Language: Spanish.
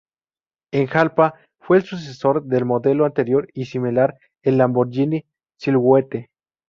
El Jalpa fue el sucesor del modelo anterior y similar, el Lamborghini Silhouette.